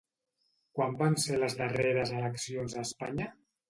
Quan van ser les darreres eleccions a Espanya?